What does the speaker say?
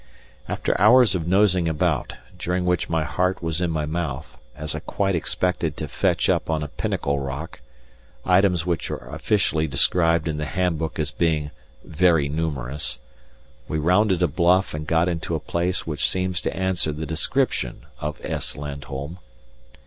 After hours of nosing about, during which my heart was in my mouth, as I quite expected to fetch up on a pinnacle rock, items which are officially described in the Handbook as being "very numerous," we rounded a bluff and got into a place which seems to answer the description of S. Landholm.